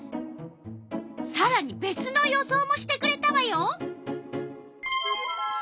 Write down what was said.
さらにべつの予想もしてくれたわよ。